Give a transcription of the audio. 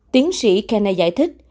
tiến sĩ kenney giải thích